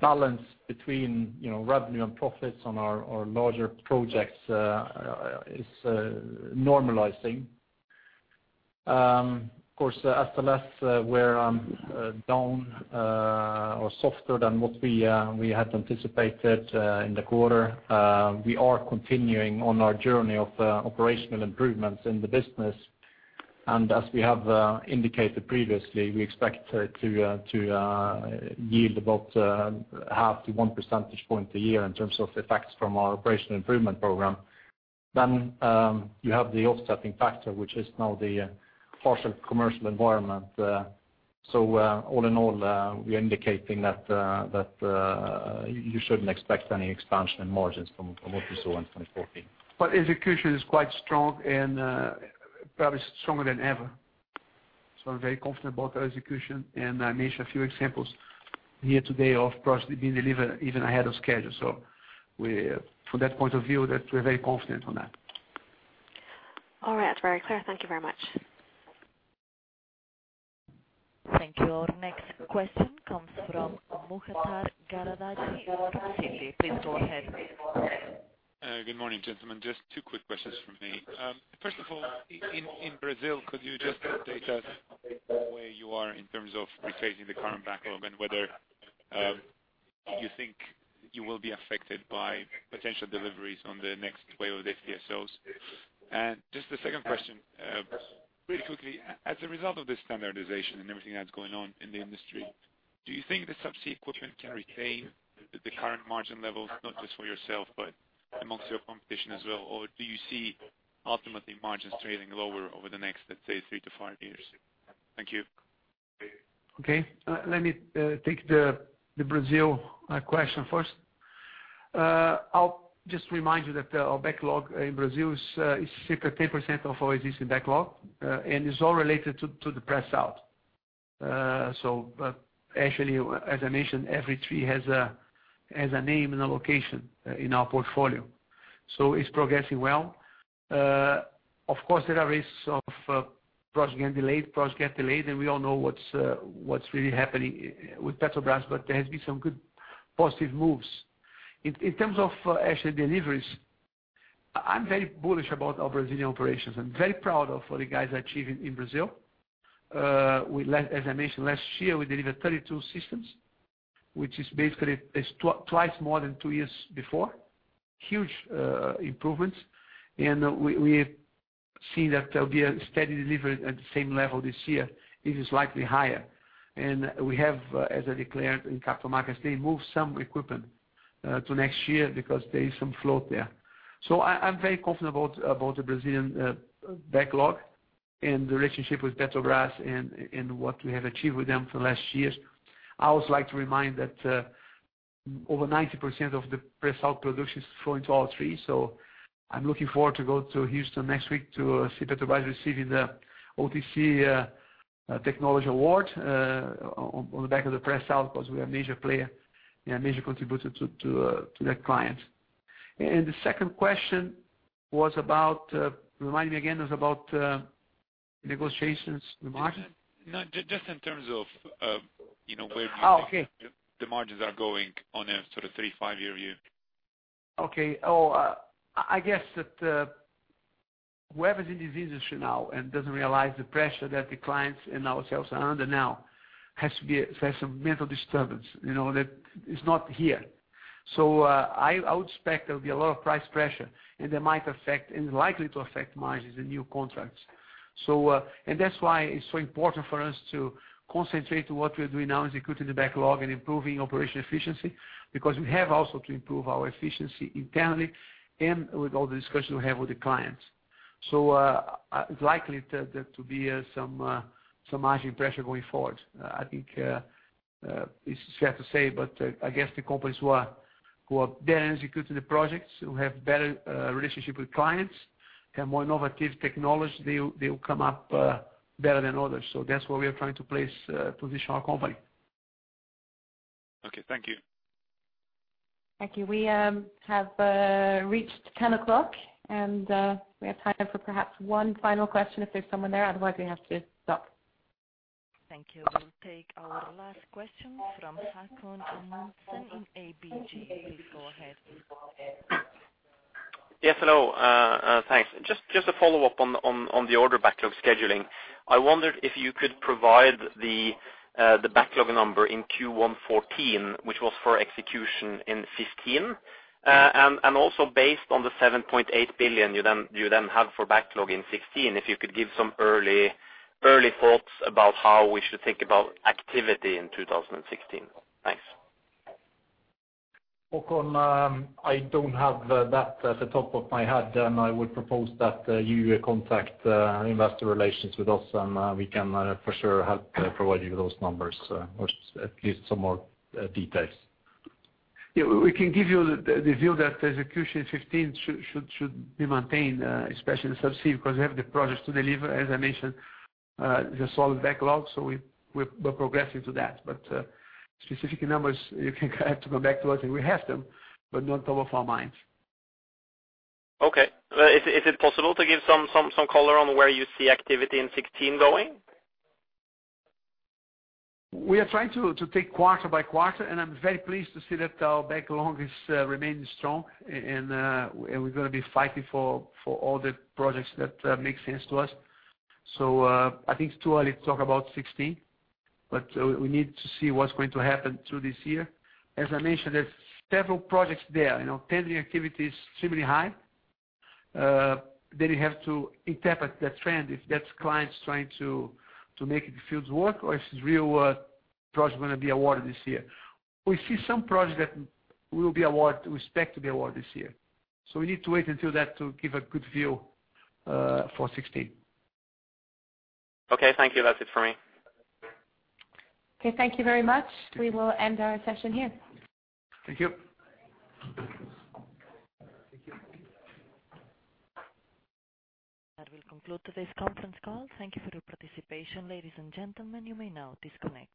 Speaker 3: balance between, you know, revenue and profits on our larger projects, is normalizing. Of course, SLS, we're down or softer than what we had anticipated in the quarter. We are continuing on our journey of operational improvements in the business. As we have indicated previously, we expect it to yield about half to one percentage point a year in terms of effects from our operational improvement program. You have the offsetting factor, which is now the partial commercial environment. All in all, we are indicating that, you shouldn't expect any expansion in margins from what you saw in 2014.
Speaker 2: Execution is quite strong and probably stronger than ever. I'm very confident about our execution. I mentioned a few examples here today of projects being delivered even ahead of schedule. From that point of view, that we're very confident on that.
Speaker 13: All right. That's very clear. Thank you very much.
Speaker 5: Thank you. Our next question comes from Mukhtar Gadzhimagomedov from Citi. Please go ahead.
Speaker 14: Good morning, gentlemen. Just 2 quick questions from me. First of all, in Brazil, could you just update us where you are in terms of replacing the current backlog and whether you think you will be affected by potential deliveries on the next wave of FSOs? Just the second question, really quickly, as a result of this standardization and everything that's going on in the industry, do you think the subsea equipment can retain the current margin levels, not just for yourself, but amongst your competition as well? Or do you see ultimately margins trading lower over the next, let's say, 3-5 years? Thank you.
Speaker 2: Okay. Let me take the Brazil question first. I'll just remind you that our backlog in Brazil is 63% of our existing backlog, and it's all related to the pre-salt. But actually, as I mentioned, every three has a name and a location in our portfolio. It's progressing well. Of course, there are risks of projects getting delayed, projects get delayed, and we all know what's really happening with Petrobras, but there has been some good positive moves. In terms of actually deliveries, I'm very bullish about our Brazilian operations. I'm very proud of what the guys are achieving in Brazil. We as I mentioned, last year, we delivered 32 systems, which is basically twice more than two years before. Huge improvements. We have seen that there'll be a steady delivery at the same level this year. It is likely higher. We have, as I declared in Capital Markets Day, move some equipment to next year because there is some float there. I'm very confident about the Brazilian backlog and the relationship with Petrobras and what we have achieved with them for the last years. I always like to remind that over 90% of the pre-salt production is flowing to all three. I'm looking forward to go to Houston next week to see Petrobras receiving the OTC technology award on the back of the pre-salt 'cause we are a major player and a major contributor to that client. The second question was about, remind me again, it was about, negotiations in the market.
Speaker 14: No. Just in terms of, you know.
Speaker 2: Oh, okay.
Speaker 14: the margins are going on a sort of three, five-year view.
Speaker 2: Okay. I guess that whoever's in this industry now and doesn't realize the pressure that the clients and ourselves are under now has some mental disturbance, you know, that is not here. I would expect there'll be a lot of price pressure, and that might affect and likely to affect margins in new contracts. That's why it's so important for us to concentrate what we're doing now in executing the backlog and improving operational efficiency because we have also to improve our efficiency internally and with all the discussions we have with the clients. It's likely that there to be some margin pressure going forward. I think, it's sad to say, but, I guess the companies who are better executing the projects, who have better relationship with clients, have more innovative technology, they will come up better than others. That's where we are trying to place, position our company.
Speaker 14: Okay, thank you.
Speaker 5: Thank you. We have reached 10:00 and we have time for perhaps one final question if there's someone there. Otherwise, we have to stop. Thank you. We'll take our last question from Haakon Amundsen in ABG. Please go ahead.
Speaker 15: Yes, hello. Thanks. Just a follow-up on the order backlog scheduling. I wondered if you could provide the backlog number in Q1 2014, which was for execution in 2015. Also based on the 7.8 billion you then have for backlog in 2016, if you could give some early thoughts about how we should think about activity in 2016. Thanks.
Speaker 3: Haakon, I don't have that at the top of my head. I would propose that you contact investor relations with us, and we can for sure help provide you those numbers, or at least some more details.
Speaker 2: Yeah. We can give you the view that the execution in 2015 should be maintained, especially in subsea because we have the projects to deliver. As I mentioned, the solid backlog, so we're progressing to that. Specific numbers, you can have to come back to us, and we have them, but not top of our minds.
Speaker 15: Okay. Is it possible to give some color on where you see activity in 2016 going?
Speaker 2: We are trying to take quarter by quarter. I'm very pleased to see that our backlog is remaining strong and we're gonna be fighting for all the projects that make sense to us. I think it's too early to talk about 16, but we need to see what's going to happen through this year. As I mentioned, there's several projects there, you know, tendering activity is extremely high. You have to interpret that trend, if that's clients trying to make the fields work or if it's real projects gonna be awarded this year. We see some projects that will be award, we expect to be award this year. We need to wait until that to give a good view for 16.
Speaker 15: Okay. Thank you. That's it for me.
Speaker 5: Okay, thank you very much. We will end our session here.
Speaker 2: Thank you.
Speaker 5: That will conclude today's conference call. Thank you for your participation. Ladies and gentlemen, you may now disconnect.